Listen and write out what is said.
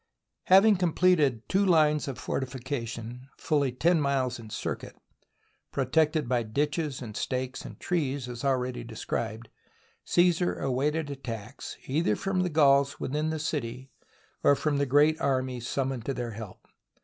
Having completed two lines of fortification fully ten miles in circuit, protected by ditches and stakes and trees, as already described, Csesar awaited at tacks either from the Gauls within the city or from the great army summoned to their help.